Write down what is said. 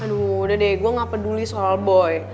aduh udah deh gue gak peduli soal boy